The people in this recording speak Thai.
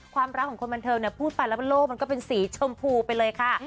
ความรักของคนบรรเทอมเนี่ยพูดไปแล้วก็โลกเป็นสีชมพูไปเลยค่ะ